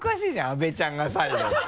阿部ちゃんが最後って。